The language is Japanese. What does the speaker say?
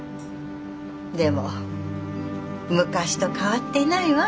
でも昔と変わっていないわ